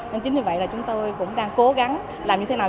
nên chính vì vậy là chúng tôi cũng đang cố gắng làm như thế nào